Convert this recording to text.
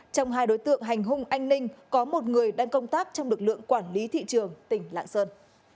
trong hai đối tượng hành hung anh ninh có một người đang công tác trong lực lượng quản lý thị trường tỉnh lạng sơn